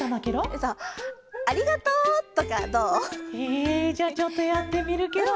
えじゃあちょっとやってみるケロ。